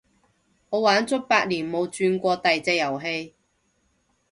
我玩足八年冇轉過第隻遊戲